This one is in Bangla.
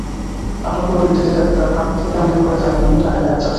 আটক হওয়া ব্যক্তিদের দাবি, তাঁরা ভারত থেকে আমদানি করা চাল নিয়ে ঢাকায় যাচ্ছিলেন।